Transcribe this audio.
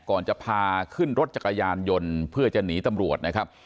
ก่อนจะพาขึ้นรถจักรยานยนต์เพื่อจะหนีตำรวจนะครับ